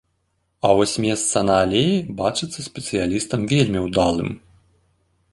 А вось месца на алеі бачыцца спецыялістам вельмі ўдалым.